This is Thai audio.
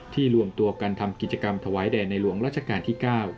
รวมตัวกันทำกิจกรรมถวายแด่ในหลวงรัชกาลที่๙